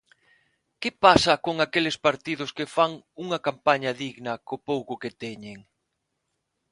Que pasa con aqueles partidos que fan unha campaña digna co pouco que teñen?